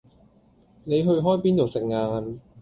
你去開邊度食晏